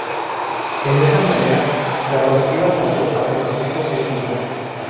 En esa manera la Rogativa salvó a Puerto Rico ese día.